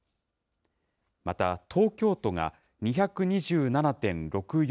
また、東京都が２２７．６４